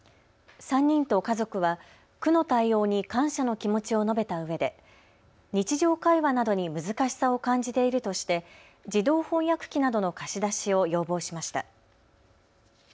３人と家族は区の対応に感謝の気持ちを述べたうえで日常会話などに難しさを感じているとして自動翻訳機などの貸し出しを要望しました。